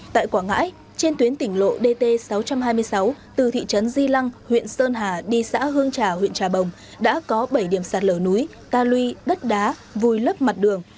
tại quảng ngãi trên tuyến tỉnh lộ dt sáu trăm hai mươi sáu từ thị trấn di lăng huyện sơn hà đi xã hương trà huyện trà bồng đã có bảy điểm sạt lở núi ta lui đất đá vùi lấp mặt đường